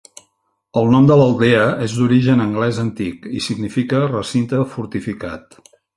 El nom de l'aldea és d'origen anglès antic i significa "recinte fortificat".